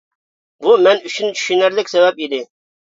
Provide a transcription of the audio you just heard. بۇ مەن ئۈچۈن چۈشىنەرلىك سەۋەب ئىدى.